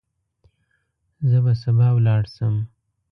زه به سبا ولاړ شم.